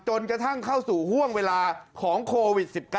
จนกระทั่งเข้าสู่ห่วงเวลาของโควิด๑๙